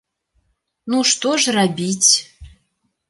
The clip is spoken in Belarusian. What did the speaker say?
Ну што ж рабіць?